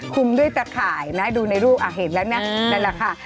ด้วยตะข่ายนะดูในรูปอ่ะเห็นแล้วนะนั่นแหละค่ะ